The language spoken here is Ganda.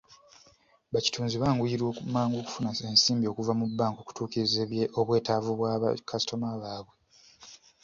Bakitunzi banguyirwa mangu okufuna ensimbi okuva mu bbanka okutuukiriza ebwetaavu bwa bakasitoma baabwe.